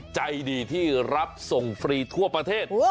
ใจดีที่รับส่งฟรีทั่วประเทศ